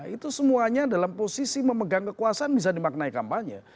itu semuanya dalam posisi memegang kekuasaan bisa dimaknai kampanye